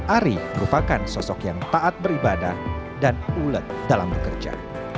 ari merupakan sosok yang taat beribadah dan ulet dalam bekerja